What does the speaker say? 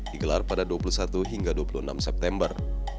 digelar pada dua puluh satu hingga dua puluh enam september